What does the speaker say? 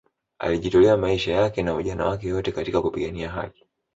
alijitolea maisha yake na ujana wake wote katika kupigania haki